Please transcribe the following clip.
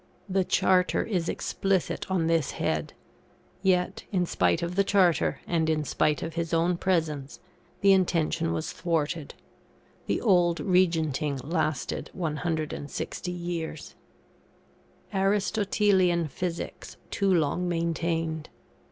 The Charter is explicit on this head. Yet in spite of the Charter and in spite of his own presence, the intention was thwarted; the old Regenting lasted 160 years. ARISTOTELIAN PHYSICS TOO LONG MAINTAINED.